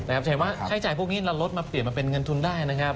หมายความคิดว่าใช้จ่ายพวกนี้เราลดมาเปลี่ยนเป็นเงินทุนได้นะครับครับ